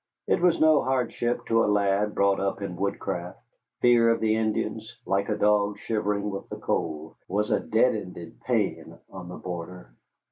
It was no hardship to a lad brought up in woodcraft. Fear of the Indians, like a dog shivering with the cold, was a deadened pain on the border.